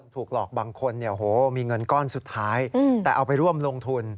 ถูกหลอกบางคนมีเงินก้อนสุดท้ายแต่เอาไปร่วมลงทุน